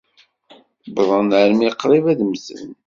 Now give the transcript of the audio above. Wwḍen armi qrib ad mmten.